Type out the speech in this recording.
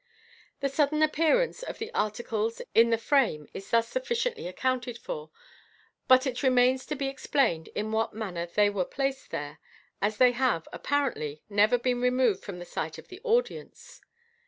The sudden appearance of the articles in the frame is thus suffici ently accounted for, but it remains to be explained in what manner Fig. 293. Fig. 294. MODERN MA GIC. 465 they were placed there, as they have (apparently) never been removed from the sight of the audience.